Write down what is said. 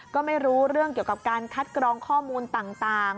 ก็ไม่รู้เรื่องเกี่ยวกับการคัดกรองข้อมูลต่าง